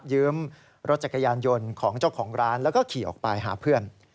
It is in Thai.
ยืมรถจักรยานยนต์ของเจ้าของร้านแล้วก็ขี่ออกไปหาเพื่อน